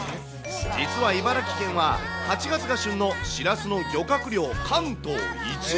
実は茨城県は、８月が旬のシラスの漁獲量関東一。